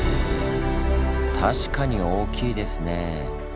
確かに大きいですねぇ。